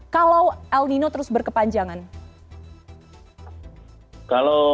kalau el nino terus berkepanjangan